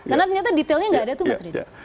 karena ternyata detailnya tidak ada itu mas reddy